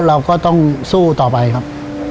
เราก็ต้องสู้ต่อไปครับ